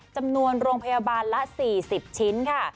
จำนวนโรงพยาบาลละ๔๐ชิ้นค่ะ